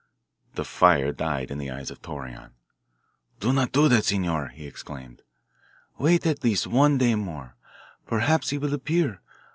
The fire died in the eyes of Torreon. "Do not do that, Senor," he exclaimed. "Wait at least one day more. Perhaps he will appear.